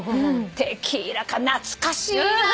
テキーラか懐かしいな！